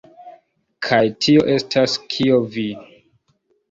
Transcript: Kaj tio estas kio vi?